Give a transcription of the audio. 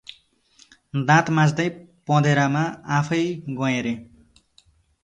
दाँत माझ्दै पँधेरामा आफैँ गएँ रे ।